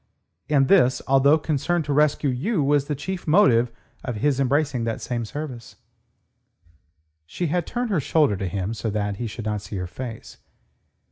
And this, although concern to rescue you was the chief motive of his embracing that same service." She had turned her shoulder to him so that he should not see her face.